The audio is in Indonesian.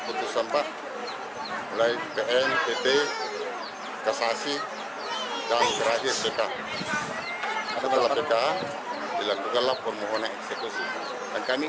putusan pak mulai bnpt kasasi dan terakhir pkp adalah pkp dilakukan laporan eksekusi dan kami